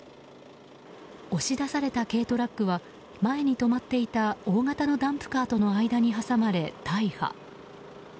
押し出された軽トラックは前に止まっていた大型のダンプカーとの間に挟まれ大破。